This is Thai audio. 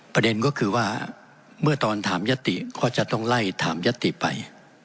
ประเด็นก็คือว่าเมื่อตอนถามยติก็จะต้องไล่ถามยติไป